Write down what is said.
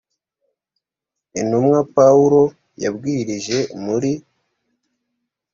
intumwa pawulo yabwirije muri